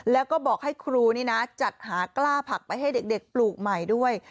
แล้วก็บอกให้ครูนี่นะจัดหากล้าผักไปให้เด็กปลูกใหม่ด้วย